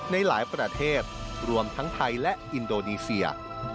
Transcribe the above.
ในหลายประเทศรวมทั้งไทยและอินโดนีเซีย